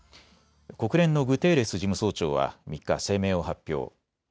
国連のグテーレス事務総長は３日、声明を発表。